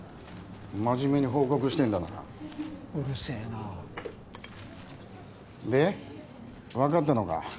真面目に報告してんだなうるせえなで分かったのか？